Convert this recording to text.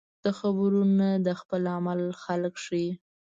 د خبرو نه د عمل خلک شئ .